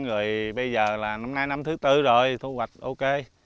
rồi bây giờ là năm nay năm thứ tư rồi thu hoạch ok